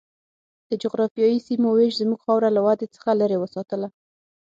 د جغرافیایي سیمو وېش زموږ خاوره له ودې څخه لرې وساتله.